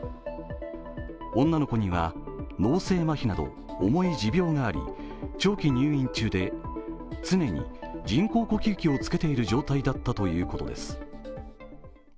女の子には脳性まひなど重い持病があり長期入院中で常に人工呼吸器をつけている状態だったということです。